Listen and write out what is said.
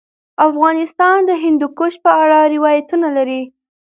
افغانستان د هندوکش په اړه روایتونه لري.